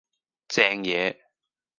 正野